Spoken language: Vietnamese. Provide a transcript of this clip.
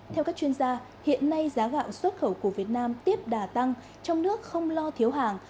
theo các chuyên gia hiện nay giá gạo xuất khẩu của việt nam tiếp đà tăng trong nước không lo thiếu hàng